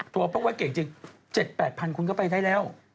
ทัวร์พวกแพ็ดเกจจริง๗๘พันคุณก็ไปได้แล้ว